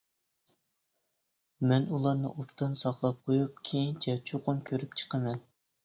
مەن ئۇلارنى ئوبدان ساقلاپ قويۇپ، كېيىنچە چوقۇم كۆرۈپ چىقىمەن.